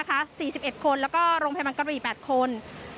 ๔๑คนแล้วก็โรงพยาบาลกระบี่๘คน